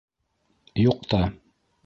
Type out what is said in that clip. - Юҡ та.